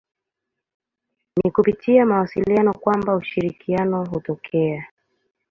Ni kupitia mawasiliano kwamba ushirikiano hutokea.